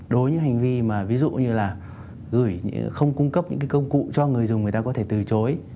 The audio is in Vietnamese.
đối với những hành vi mà ví dụ như là gửi không cung cấp những cái công cụ cho người dùng người ta có thể từ chối